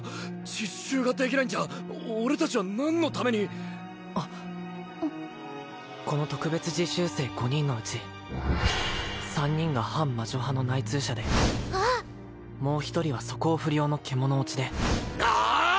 実習ができないんじゃ俺達は何のためにあっこの特別実習生５人のうち３人が反魔女派の内通者であっもう一人は素行不良の獣堕ちであっ！？